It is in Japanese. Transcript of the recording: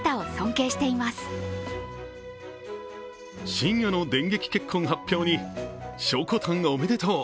深夜の電撃結婚発表にしょこたんおめでとう！